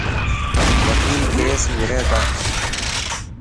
وڪيل ڪيس وڙي تا.